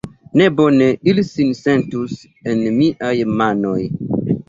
Ne bone ili sin sentus en miaj manoj!